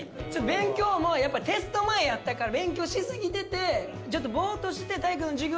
勉強もやっぱりテスト前やったから勉強しすぎててちょっとボーッとして。